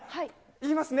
いきますね。